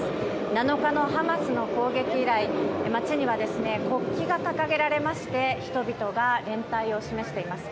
７日のハマスの攻撃以来、街には国旗が掲げられまして人々が連帯を示しています。